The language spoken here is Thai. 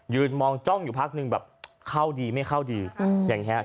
มองจ้องอยู่พักนึงแบบเข้าดีไม่เข้าดีอย่างนี้